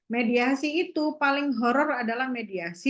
mediasi itu paling horror adalah mediasi